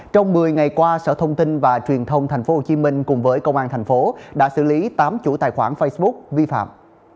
trong một mươi ngày qua sở thông tin và truyền thông tp hcm cùng với công an tp hcm đã xử lý tám chủ tài khoản facebook vi phạm